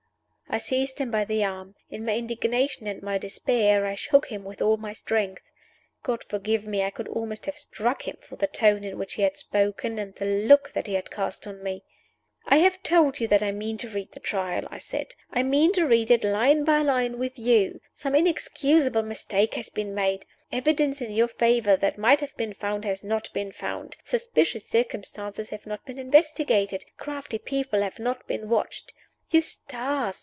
I seized him by the arm. In my indignation and my despair I shook him with all my strength. God forgive me, I could almost have struck him for the tone in which he had spoken and the look that he had cast on me! "I have told you that I mean to read the Trial," I said. "I mean to read it, line by line, with you. Some inexcusable mistake has been made. Evidence in your favor that might have been found has not been found. Suspicious circumstances have not been investigated. Crafty people have not been watched. Eustace!